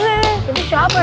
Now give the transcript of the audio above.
ini siapa dut